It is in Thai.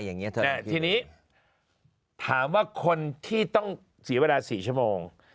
อย่างนี้เถอะแต่ทีนี้ถามว่าคนที่ต้องเสียเวลา๔ชั่วโมง